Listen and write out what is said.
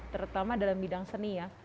terutama dalam bidang seni ya